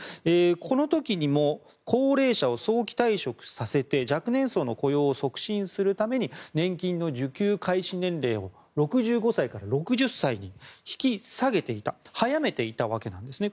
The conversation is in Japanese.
この時にも高齢者を早期退職させて若年層の雇用を促進するために年金の受給開始年齢を６５歳から６０歳に引き下げていた早めていたわけなんですね。